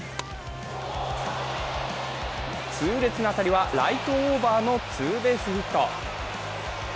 痛烈な当たりはライトオーバーのツーベースヒット。